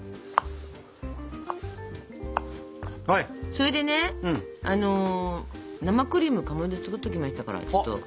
それでね生クリームをかまど作っておきましたから。